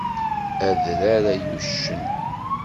Adrar, ay uccen!